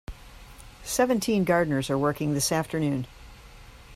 Seventeen gardeners are working this afternoon.